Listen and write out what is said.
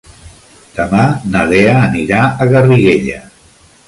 Demà na Lea anirà a Garriguella.